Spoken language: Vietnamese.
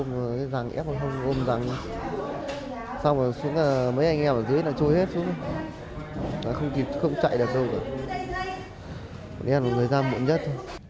những em là người ra muộn nhất